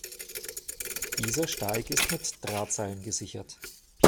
Dieser Steig ist mit Drahtseilen gesichert.